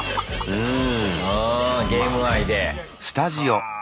うん。